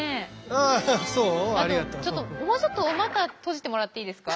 あとちょっともうちょっとお股閉じてもらっていいですか？